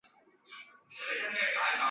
卒于同治十二年。